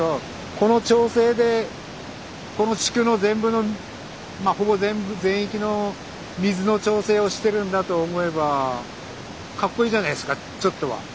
この調整でこの地区の全部のまあほぼ全部全域の水の調整をしてるんだと思えばかっこいいじゃないですかちょっとは。